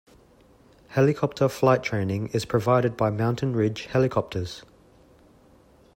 Helicopter flight training is provided by Mountain Ridge Helicopters.